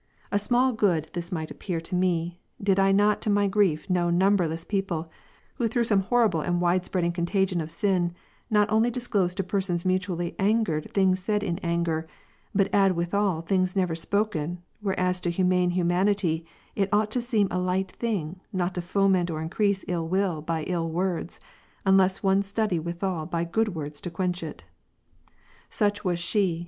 A small good this might appear to me, did I not to my grief know numberless persons, who through some horrible and wide spreading contagion of sin, not only disclose to persons mutually angered things said in anger, but add withal things never spoken, whereas to humane humanity, it ought to seem a light thing, not to foment or increase ill will by ill words, unless one study withal by good words to quench it. Such was she.